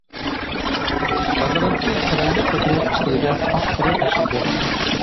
نازارەتچى سەرەڭگە قېپىنى ئۈستەلگە پاققىدە تاشلىدى.